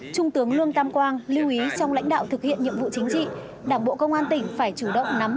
trung tướng lương tam quang lưu ý trong lãnh đạo thực hiện nhiệm vụ chính trị đảng bộ công an tỉnh phải chủ động nắm